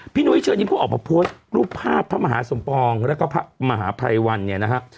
นุ้ยเชิญยิ้มเขาออกมาโพสต์รูปภาพพระมหาสมปองแล้วก็พระมหาภัยวันเนี่ยนะฮะ